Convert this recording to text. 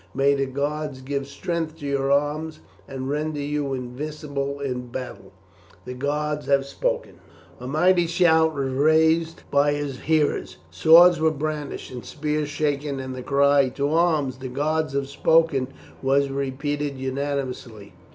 May the gods give strength to your arms and render you invincible in battle! The gods have spoken." A mighty shout was raised by his hearers; swords were brandished, and spears shaken, and the cry "To arms! the gods have spoken," was repeated unanimously.